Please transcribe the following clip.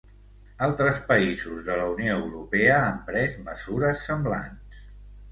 Altres països de la Unió Europea han pres mesures semblants.